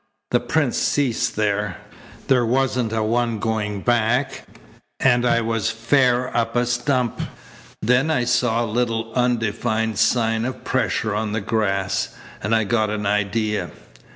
The prints ceased there. There wasn't a one going back, and I was fair up a stump. Then I saw a little undefined sign of pressure on the grass, and I got an idea.